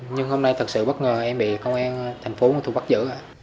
nhưng hôm nay thật sự bất ngờ em bị công an tp hcm bắt giữ